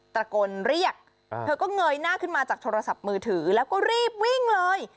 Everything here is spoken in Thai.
ตะโกนเรียกเธอก็เงยหน้าขึ้นมาจากโทรศัพท์มือถือแล้วก็รีบวิ่งเลย